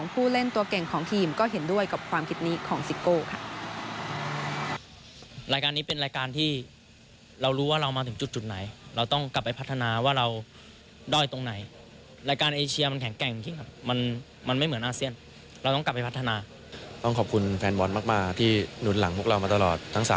ผู้เล่นตัวเก่งของทีมก็เห็นด้วยกับความคิดนี้ของซิโก้ค่ะ